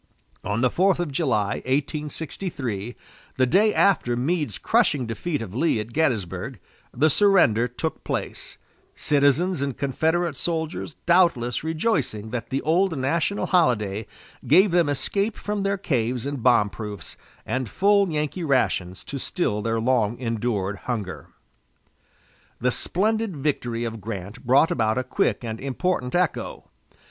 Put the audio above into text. On the fourth of July, 1863, the day after Meade's crushing defeat of Lee at Gettysburg, the surrender took place, citizens and Confederate soldiers doubtless rejoicing that the old national holiday gave them escape from their caves and bomb proofs, and full Yankee rations to still their long endured hunger. The splendid victory of Grant brought about a quick and important echo.